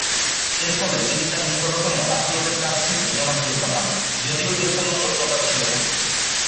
এরফলে তিনি তার নিকটতম আত্মীয়দের কাছ থেকে জনপ্রিয়তা পান, যদিও এর কোন সত্যতা ছিল না।